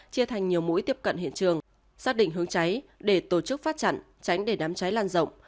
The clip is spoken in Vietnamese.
chia thành nhiều mũi tiếp cận hiện trường xác định hướng cháy để tổ chức phát chặn tránh để đám cháy lan rộng